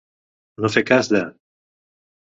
No fer cas de.